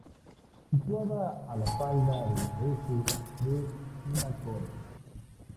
Situada a la falda de la S de una cord.